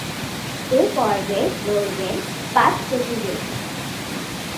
এ পর্বে লড়বেন পাঁচ প্রতিযোগী।